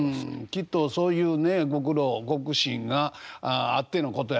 きっとそういうねご苦労ご苦心があってのことやとは思うんですけれど。